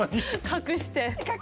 隠して。